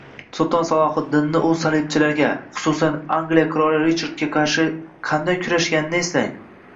Sulton Salohiddinni, u salibchilarga, xususan Angliya qiroli Richardga qarshi qanday kurashganini eslang